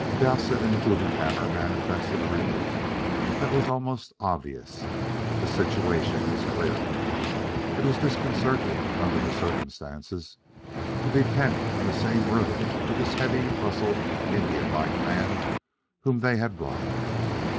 Dowsett and Guggenhammer manifested a relief that was almost obvious. The situation was clearing. It was disconcerting, under the circumstances, to be pent in the same room with this heavy muscled, Indian like man whom they had robbed.